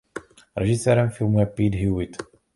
Režisérem filmu je Pete Hewitt.